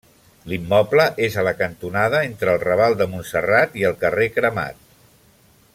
L'immoble és a la cantonada entre el Raval de Montserrat i el carrer Cremat.